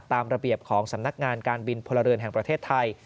ตามระเบียบของสำนักงานการบินพลเรือนแห่งประเทศไทย